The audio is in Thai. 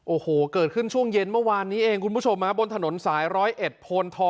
โอ้โหเกิดขึ้นช่วงเย็นเมื่อวานนี้เองคุณผู้ชมฮะบนถนนสายร้อยเอ็ดโพนทอ